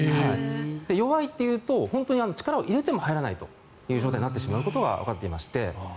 弱いっていうと本当に力を入れても入らないという状態になってしまうことがわかっていまして